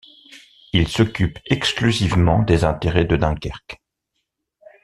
Il s'occupe exclusivement des intérêts de Dunkerque.